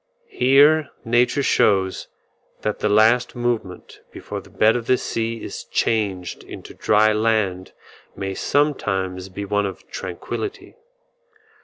Here nature shows that the last movement before the bed of the sea is changed into dry land may sometimes be one of tranquillity.